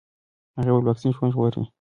هغې وویل واکسین ژوند ژغورلی شي.